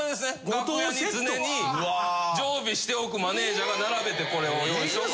楽屋に常に常備しておくマネジャーが並べてこれを用意しとく。